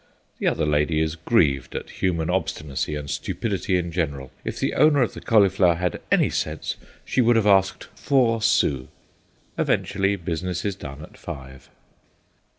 The other lady is grieved at human obstinacy and stupidity in general. If the owner of the cauliflower had had any sense she would have asked four sous. Eventually business is done at five.